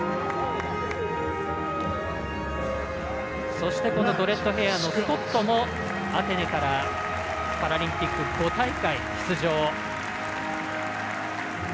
そして、このドレッドヘアのスコットもアテネからパラリンピック５大会出場。